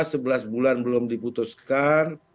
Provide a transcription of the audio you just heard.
sebelas bulan belum diputuskan